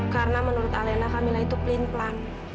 karena menurut alena kamilah itu pelan pelan